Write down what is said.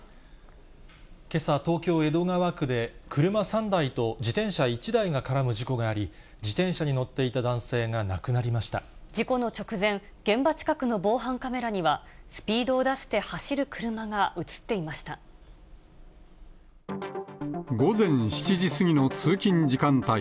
けさ、東京・江戸川区で、車３台と自転車１台が絡む事故があり、自転車に乗っていた男性が事故の直前、現場近くの防犯カメラには、スピードを出して走る車が写って午前７時過ぎの通勤時間帯。